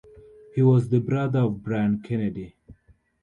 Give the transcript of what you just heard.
He was the brother of Brian Kennedy.